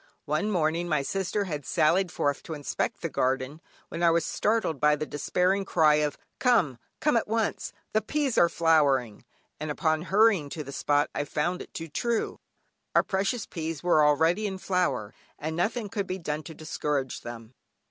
One morning, my sister had sallied forth to inspect the garden, when I was startled by the despairing cry of "Come, come at once, the peas are flowering;" and upon hurrying to the spot I found it too true; our precocious peas were already in flower, and nothing could be done to discourage them.